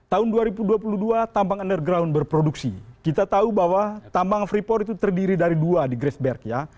tahun dua ribu dua puluh dua tambang underground berproduksi kita tahu bahwa tambang freeport itu terdiri dari dua di graceberg ya